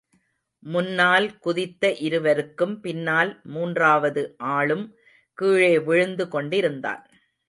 முன்னால் குதித்த இருவருக்கும் பின்னால் மூன்றாவது ஆளும் கீழே விழுந்து கொண்டிருந்தான்.